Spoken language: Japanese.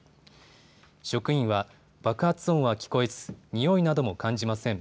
職員は、爆発音は聞こえずにおいなども感じません。